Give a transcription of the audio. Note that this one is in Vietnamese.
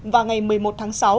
và ngày một mươi một tháng sáu